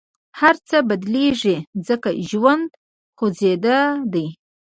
هر څه بدلېږي، ځکه ژوند خوځنده دی.